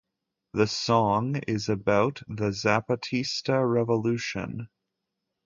The song is about the Zapatista revolution.